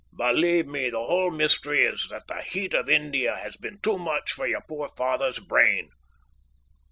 Believe me, the whole mystery is that the heat of India has been too much for your poor father's brain."